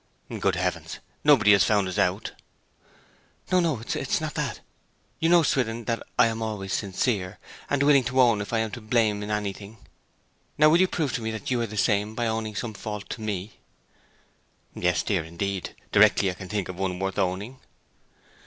'Good heavens! Nobody has found us out ' 'No, no it is not that. You know, Swithin, that I am always sincere, and willing to own if I am to blame in anything. Now will you prove to me that you are the same by owning some fault to me?' 'Yes, dear, indeed; directly I can think of one worth owning.'